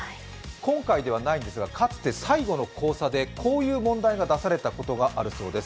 今回ではないんですがかつて最後の考査でこういう問題が出されたことがあるそうです。